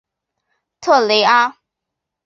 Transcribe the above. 特雷阿。